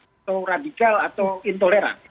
atau radikal atau intoleran